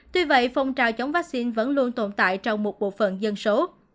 tuy vậy phong trào chống vaccine vẫn luôn tồn tại trong một bộ phận dân số